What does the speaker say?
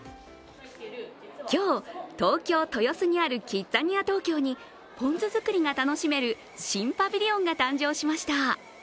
今日、東京・豊洲にあるキッザニア東京にぽん酢づくりが楽しめる新パビリオンが誕生しました。